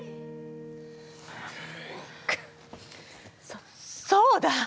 そそうだ！